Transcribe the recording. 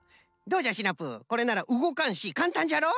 どうじゃシナプーこれならうごかんしかんたんじゃろ？